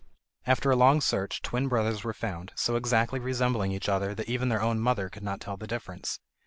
After a long search twin brothers were found, so exactly resembling each other that even their own mother could not tell the difference.